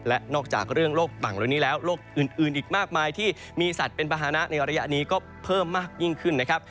และนอกจากเรื่องโรคต่างเหล่านี้แล้วโรคอื่นอีกมากมายที่มีสัตว์เป็นภาษณะในระยะนี้ก็เพิ่มมากยิ่งขึ้นนะครับ